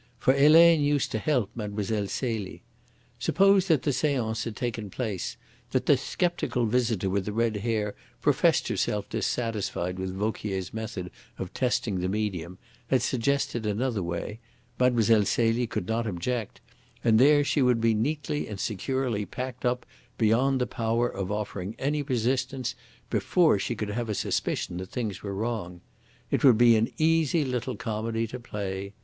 For Helene used to help Mlle. Celie. Suppose that the seance had taken place, that this sceptical visitor with the red hair professed herself dissatisfied with Vauquier's method of testing the medium, had suggested another way, Mlle. Celie could not object, and there she would be neatly and securely packed up beyond the power of offering any resistance, before she could have a suspicion that things were wrong. It would be an easy little comedy to play.